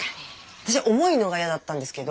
私は重いのが嫌だったんですけど。